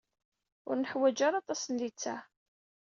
Ur neḥwaǧ ara aṭas n litteɛ.